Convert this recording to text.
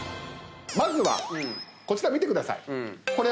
まずはこちら見てください。